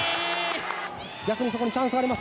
逆にそこにチャンスあります。